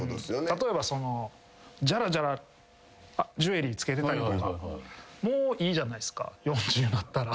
例えばじゃらじゃらジュエリー着けてたりとかもういいじゃないっすか４０なったら。